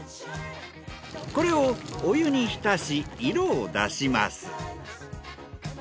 これをお湯に浸し色を出します。